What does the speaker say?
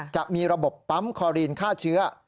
จะมีระบบปั๊มคอรีนฆ่าเชื้อ